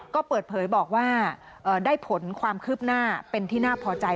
ก็เปิดเผยบอกว่าได้ผลความคืบหน้าเป็นที่น่าพอใจ